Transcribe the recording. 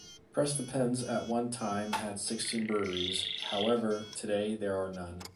Prestonpans at one time had sixteen breweries however, today there are none.